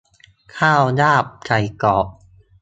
ข้าวลาบไก่กรอบ